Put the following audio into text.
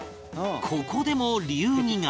ここでも流儀が